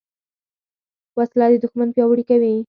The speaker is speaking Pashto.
وسله د دوښمن پیاوړي کوي